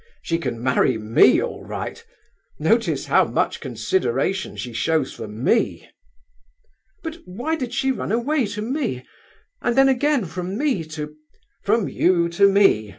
She can marry me all right! Notice how much consideration she shows for me!" "But why did she run away to me, and then again from me to—" "From you to me?